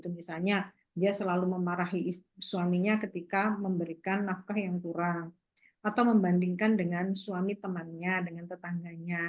misalnya dia selalu memarahi suaminya ketika memberikan nafkah yang kurang atau membandingkan dengan suami temannya dengan tetangganya